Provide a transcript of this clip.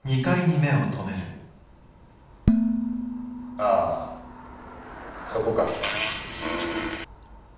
ああそこか。